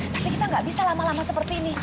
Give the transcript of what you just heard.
tapi kita nggak bisa lama lama seperti ini